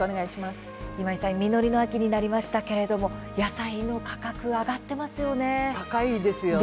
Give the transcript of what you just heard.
今井さん実りの秋になりましたけれど野菜の価格、上がっていますね。